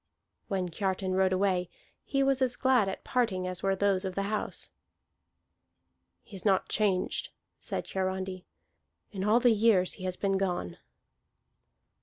When Kiartan rode away, he was as glad at parting as were those of the house. "He is not changed," said Hiarandi, "in all the years he has been gone."